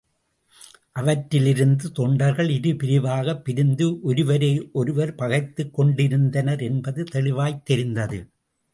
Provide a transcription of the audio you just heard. அவற்றிலிருந்து தொண்டர்கள் இரு பிரிவாகப் பிரிந்து ஒருவரையொருவர் பகைத்துக் கொண்டிருந்தனர் என்பது தெளிவாய்த் தெரிந்தது.